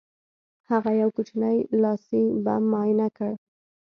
هغه یو کوچنی لاسي بم معاینه کړ